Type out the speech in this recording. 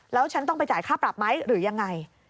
แล้วฉันต้องไปจ่ายค่าปรับไหมหรือยังไง